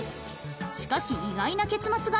しかし意外な結末が